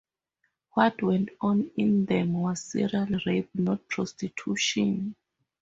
What went on in them was serial rape, not prostitution.